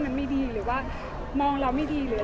อย่างแม่เองเขาว่าไงบ้าง